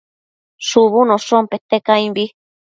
shubunoshon pete caimbi